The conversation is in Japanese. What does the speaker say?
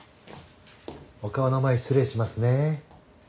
お顔の前失礼しますね。